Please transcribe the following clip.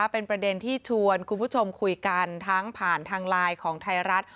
เป็นประเด็นที่ชวนคุณผู้ชมคุยกันทั้งผ่านทางไลน์ของไทยรัฐ